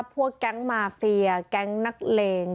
พวกแก๊งมาเฟียแก๊งนักเลง